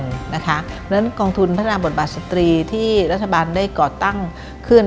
เพราะฉะนั้นกองทุนพัฒนาบทบาทสตรีที่รัฐบาลได้ก่อตั้งขึ้น